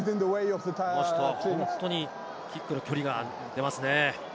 この人は本当にキックの距離が出ますね。